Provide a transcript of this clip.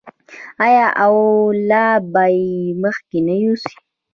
آیا او لا به یې مخکې نه یوسي؟